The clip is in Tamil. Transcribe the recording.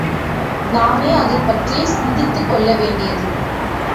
நாமே அதைப்பற்றிச் சிந்தித்துக்கொள்ள வேண்டியது.